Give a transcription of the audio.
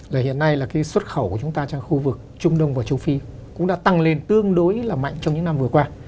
rồi hiện nay là cái xuất khẩu của chúng ta sang khu vực trung đông và châu phi cũng đã tăng lên tương đối là mạnh trong những năm vừa qua